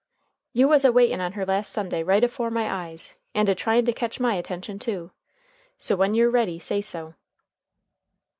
"You was a waitin' on her last Sunday right afore my eyes, and a tryin' to ketch my attention too. So when you're ready say so."